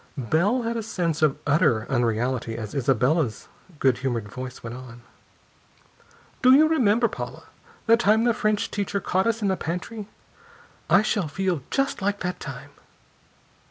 Bell had a sense of utter unreality as Isabella's good humored voice went on: "Do you remember, Paula, the time the French teacher caught us in the pantry? I shall feel just like that time."